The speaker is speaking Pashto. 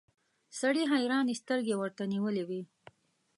سړي حيرانې سترګې ورته نيولې وې.